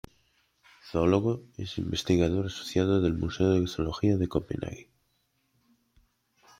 Zoólogo, es investigador asociado del Museo de Zoología de Copenhague.